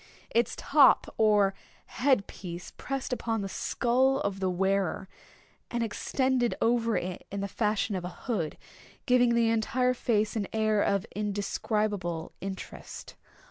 Its top or head piece pressed upon the skull of the wearer, and extended over it in the fashion of a hood, giving to the entire face an air of indescribable interest.